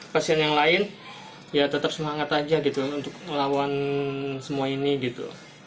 pasien yang lain ya tetap semangat aja gitu untuk ngelawan semua ini gitu